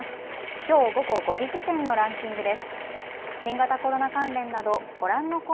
きょう午後５時時点のランキングです。